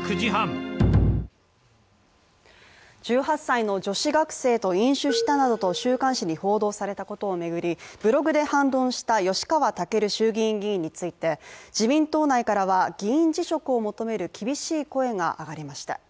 １８歳の女子学生と飲酒したなどと週刊誌に報道されたことを巡りブログで反論した吉川赳衆議院議員について自民党内からは、議員辞職を求める厳しい声が上がりました。